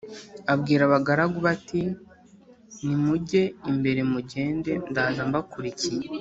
Abwira abagaragu be ati “Nimunjye imbere mugende, ndaza mbakurikiye.”